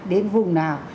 đến vùng nào